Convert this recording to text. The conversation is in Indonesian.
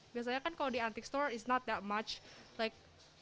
biasanya kan kalau di antik store tidak banyak